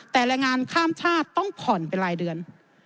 แต่แรงงานข้ามชาติต้องผ่อนเป็นรายเดือน